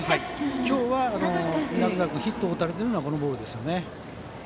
今日、南澤君がヒットを打たれているのはこのボールですね。